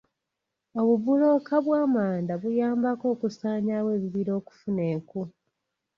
Obubulooka bw'amanda buyambako okusaanyaawo ebibira okufuna enku.